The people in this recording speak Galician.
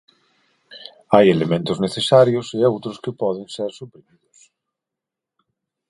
Hai elementos necesarios e outros que poden ser suprimidos.